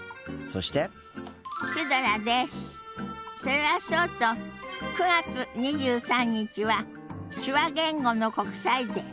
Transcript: それはそうと９月２３日は手話言語の国際デー。